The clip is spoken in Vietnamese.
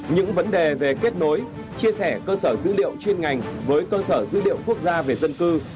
những vấn đề về kết nối chia sẻ cơ sở dữ liệu chuyên ngành với cơ sở dữ liệu quốc gia về dân cư